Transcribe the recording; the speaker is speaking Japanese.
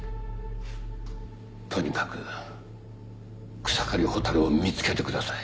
とにかく草刈蛍を見つけてください。